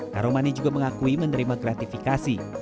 karomani juga mengakui menerima gratifikasi